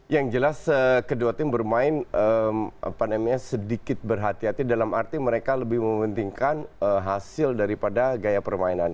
yang jelas kedua tim bermain sedikit berhati hati dalam arti mereka lebih mementingkan hasil daripada gaya permainan